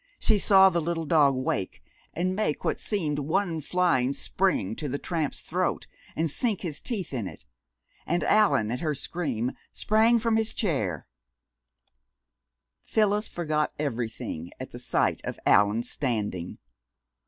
She saw the little dog wake and make what seemed one flying spring to the tramp's throat, and sink his teeth in it and Allan, at her scream, spring from his chair! Phyllis forgot everything at the sight of Allan, standing.